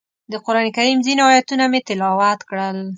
د قرانکریم ځینې ایتونه مې تلاوت کړل.